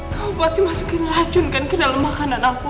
kau pasti masukin racun ke dalam makanan aku